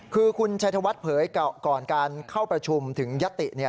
คือคุณชัยธวัฒน์เผยก่อนการเข้าประชุมถึงยัตติ